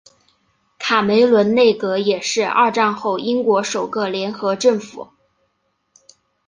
卡梅伦内阁也是二战后英国首个联合政府。